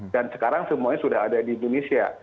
dan sekarang semuanya sudah ada di indonesia